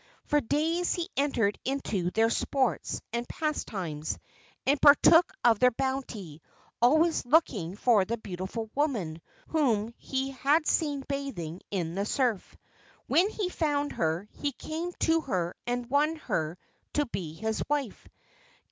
For days he entered into their sports and pastimes and partook of their bounty, al¬ ways looking for the beautiful woman whom he had seen bathing in the surf. When he found her he came to her and won her to be his wife.